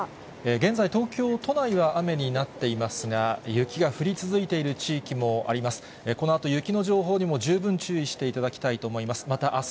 現在、東京都内は雨になっていますが、雪が降り続いている地域もあります。